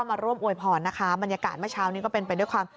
มาร่วมอวยพรนะคะบรรยากาศเมื่อเช้านี้ก็เป็นไปด้วยความ